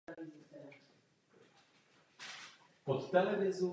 Tak umožňuje i v nízkých otáčkách velmi efektivní a příjemnou jízdu.